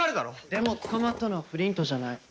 でも捕まったのはフリントじゃない。